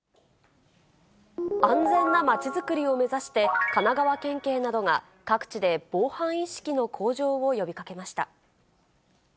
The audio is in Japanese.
安全なまちづくりを目指して、神奈川県警などが各地で防犯意識の向上を呼びかけました。